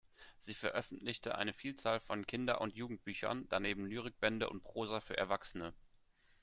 Sie veröffentlichte eine Vielzahl von Kinder- und Jugendbüchern, daneben Lyrikbände und Prosa für Erwachsene.